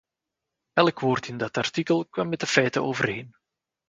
Elk woord in dat artikel kwam met de feiten overeen.